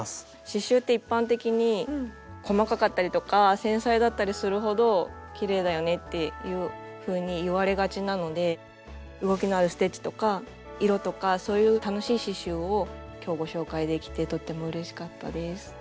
刺しゅうって一般的に細かかったりとか繊細だったりするほどきれいだよねっていうふうに言われがちなので動きのあるステッチとか色とかそういう楽しい刺しゅうを今日ご紹介できてとってもうれしかったです。